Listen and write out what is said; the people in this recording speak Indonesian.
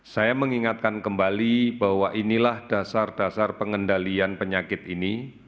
saya mengingatkan kembali bahwa inilah dasar dasar pengendalian penyakit ini